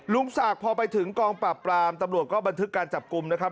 ลุงศักดิ์พอไปถึงกองปราบปรามตำรวจก็บันทึกการจับกลุ่มนะครับ